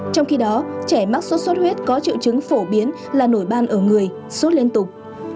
trong khi đó trẻ mắc sốt xuất huyết có triệu chứng phổ biến là nổi ban ở người sốt liên tục